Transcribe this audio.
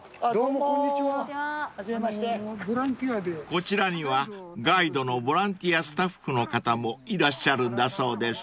［こちらにはガイドのボランティアスタッフの方もいらっしゃるんだそうです］